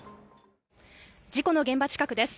事故の現場近くです。